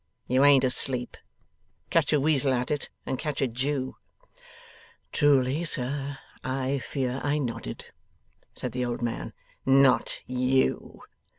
You ain't asleep. Catch a weasel at it, and catch a Jew!' 'Truly, sir, I fear I nodded,' said the old man. 'Not you!